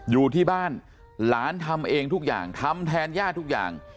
อยู่ที่บ้านหลานทำเองทุกอย่างทำแทนย่าทุกอย่าง